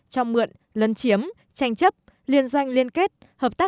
cho mượn lân chiếm tranh chấp liên doanh liên kết